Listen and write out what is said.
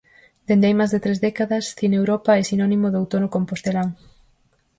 Dende hai máis de tres décadas, Cineuropa é sinónimo do outono compostelán.